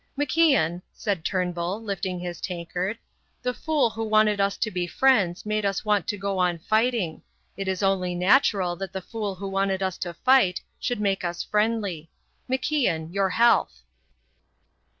"MacIan," said Turnbull, lifting his tankard, "the fool who wanted us to be friends made us want to go on fighting. It is only natural that the fool who wanted us to fight should make us friendly. MacIan, your health!"